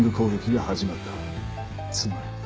つまり。